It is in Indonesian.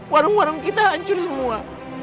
warung warung kita hancur semua